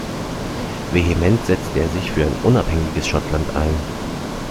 Vehement setzte er sich für ein unabhängiges Schottland ein.